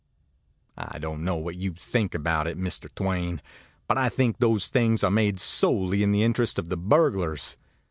I don't know what you think about it, Mr. Twain; but I think those things are made solely in the interest of the burglars.